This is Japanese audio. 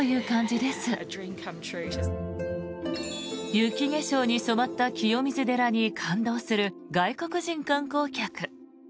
雪化粧に染まった清水寺に感動する外国人観光客。